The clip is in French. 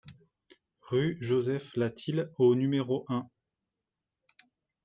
Rue Joseph Latil au numéro un